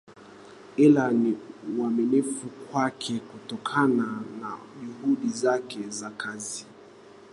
ila ni uaminifu kwake kutokana na juhudi zake za kazi